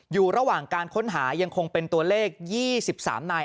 อยู่ระหว่างการค้นหายังคงเป็นตัวเลข๒๓นาย